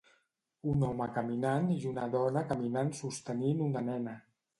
un home caminant i una dona caminant sostenint una nena